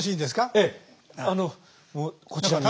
ええあのこちらに。